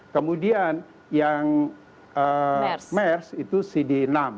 kemudian yang mers itu cd enam